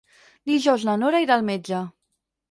Dijous na Nora irà al metge.